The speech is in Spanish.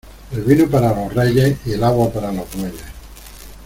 El vino para los reyes y el agua para los bueyes.